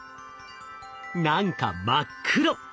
何か真っ黒！